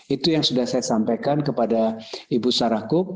itu yang sudah saya sampaikan kepada ibu sarah cook